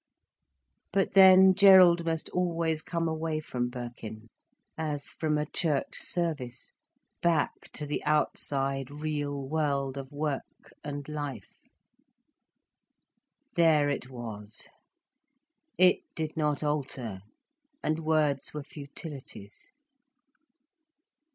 But then Gerald must always come away from Birkin, as from a Church service, back to the outside real world of work and life. There it was, it did not alter, and words were futilities.